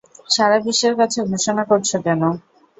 সারা বিশ্বের কাছে ঘোষণা করছ কেন?